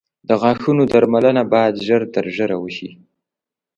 • د غاښونو درملنه باید ژر تر ژره وشي.